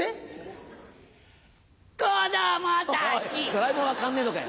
ドラえもんは変わんねえのかよ。